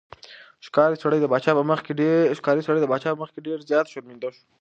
ښکاري سړی د پاچا په مخ کې ډېر زیات شرمنده شو.